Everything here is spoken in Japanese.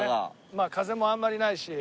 まあ風もあんまりないし。